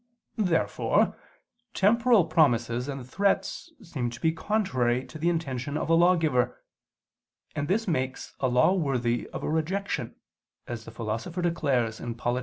Therefore temporal promises and threats seem to be contrary to the intention of a lawgiver: and this makes a law worthy of rejection, as the Philosopher declares (Polit.